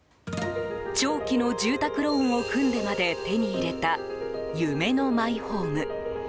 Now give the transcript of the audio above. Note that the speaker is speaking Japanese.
長期の住宅ローンを組んでまで手に入れた夢のマイホーム。